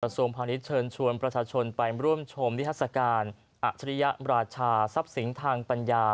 ประสุนพันธ์นี้เชิญชวนประชาชนไปร่วมชมนิธรรษกาลอัชริยราชาทรัพย์สิงห์ทางปัญญา